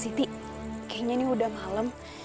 siti kayaknya ini udah malam